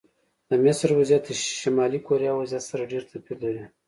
د مصر وضعیت د شلي کوریا وضعیت سره ډېر توپیر درلود.